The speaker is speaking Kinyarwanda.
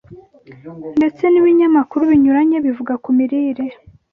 ndetse n’ibinyamakuru binyuranye bivuga ku mirire